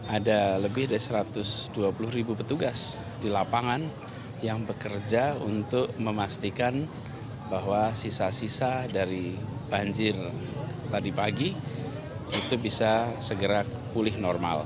ada lebih dari satu ratus dua puluh ribu petugas di lapangan yang bekerja untuk memastikan bahwa sisa sisa dari banjir tadi pagi itu bisa segera pulih normal